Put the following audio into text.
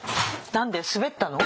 何で滑ったの？